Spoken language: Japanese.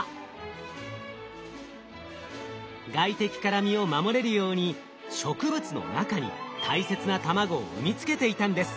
外敵から身を守れるように植物の中に大切な卵を産み付けていたんです。